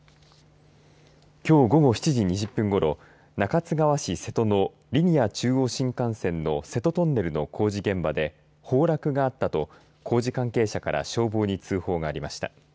きょう午後７時２０分ごろ中津川市瀬戸のリニア中央新幹線の瀬戸トンネルの工事現場で崩落があったと工事関係者から消防に通報がありました。